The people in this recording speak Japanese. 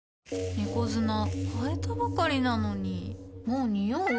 猫砂替えたばかりなのにもうニオう？